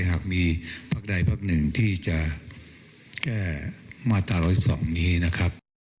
หากมีภาคใดภาคหนึ่งที่จะแก้มาตรศักดิ์๑๒นี้นะครับ